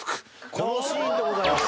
このシーンでございます。